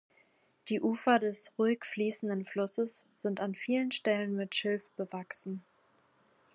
Die Ufer des ruhig fließenden Flusses sind an vielen Stellen mit Schilf bewachsen.